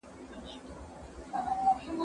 ما مخکي د سبا لپاره د يادښتونه بشپړي کړې..